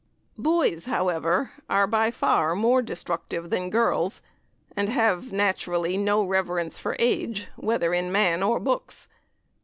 Boys, however, are by far more destructive than girls, and have, naturally, no reverence for age, whether in man or books.